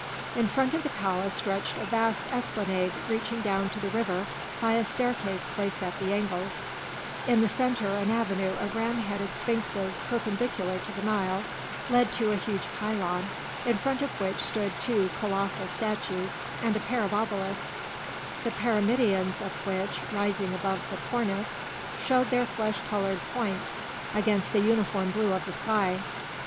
In front of the palace stretched a vast esplanade reaching down to the river by a staircase placed at the angles; in the centre an avenue of ram headed sphinxes perpendicular to the Nile, led to a huge pylon, in front of which stood two colossal statues and a pair of obelisks, the pyramidions of which, rising above the cornice, showed their flesh coloured points against the uniform blue of the sky.